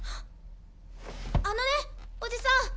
あのねおじさん！